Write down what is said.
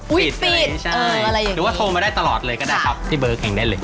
อุ๊ยปีดอะไรอย่างนี้ใช่หรือว่าโทรมาได้ตลอดเลยก็ได้ครับที่เบอร์แข็งได้เลย